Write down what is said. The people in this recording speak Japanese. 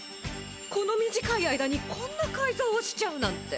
この短い間にこんなかいぞうをしちゃうなんて。